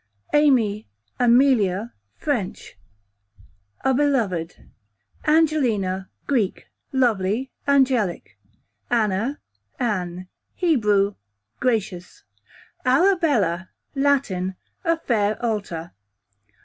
Amy / Amelia, French, a beloved. Angelina, Greek, lovely, angelic. Anna / Anne, Hebrew, gracious. Arabella, Latin, a fair altar.